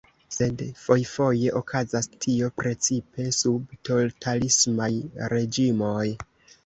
Sed fojfoje okazas tio precipe sub totalismaj reĝimoj.